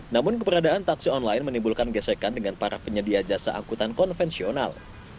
namun keberadaan taksi online menimbulkan gesekan dengan para penyedia jasa angkutan konvensional